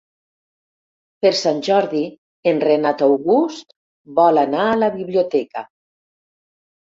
Per Sant Jordi en Renat August vol anar a la biblioteca.